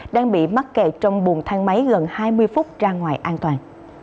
đang bị mắc kẹt trong buồng thang máy gần hai mươi phút ra ngoài an toàn